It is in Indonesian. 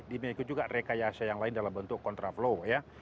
demikian juga rekayasa yang lain dalam bentuk kontraflow ya